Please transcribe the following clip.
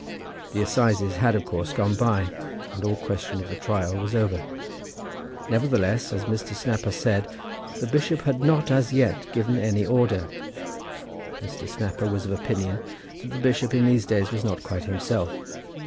The assizes had, of course, gone by, and all question of the trial was over. Nevertheless, as Mr. Snapper said, the bishop had not, as yet, given any order. Mr. Snapper was of opinion that the bishop in these days was not quite himself.